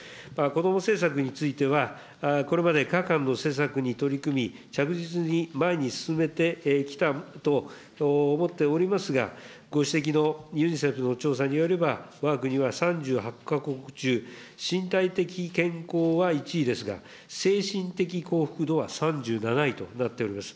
こども政策については、これまでかかんの政策に取り組み、着実に前に進めてきたと思っておりますが、ご指摘のユニセフの調査によれば、わが国は３８か国中、身体的健康は１位ですが、精神的幸福度は３７位となっております。